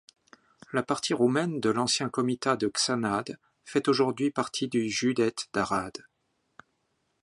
La partie roumaine de l'ancien comitat de Csanád fait aujourd'hui partie du județ d'Arad.